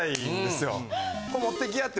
持っていきやって。